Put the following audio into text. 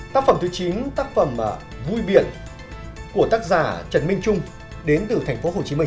tác phẩm thứ chín là tác phẩm vui biển của tác giả trần minh trung đến từ thành phố hồ chí minh